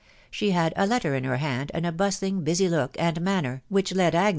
She had a letter in her hand, and a bustling, busy look and manner, If it possible